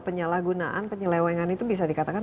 penyalahgunaan penyelewengan itu bisa dikatakan